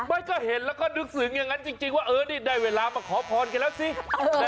ไม่ก็เห็นแล้วก็นึกถึงอย่างนั้นจริงว่าเออนี่ได้เวลามาขอพรกันแล้วสิ